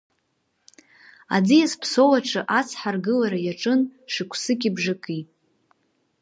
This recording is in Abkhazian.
Аӡиас Ԥсоу аҿы ацҳа аргылара иаҿын шықәсыки бжаки.